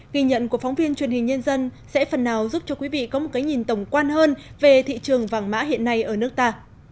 ghi nhận của phóng viên truyền hình nhân dân sẽ phần nào giúp cho quý vị có một cái nhìn tổng quan hơn về thị trường vàng mã hiện nay ở nước ta